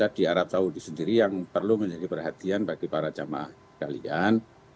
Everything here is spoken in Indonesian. di arab saudi sendiri yang perlu menjadi perhatian bagi para jamaah kalian